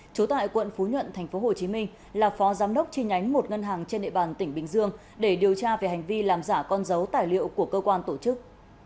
trú tại quận phú nhuận tp hcm là phó giám đốc chi nhánh một ngân hàng trên địa bàn tỉnh bình dương để điều tra về hành vi làm giả con dấu tài liệu của cơ quan tổ chức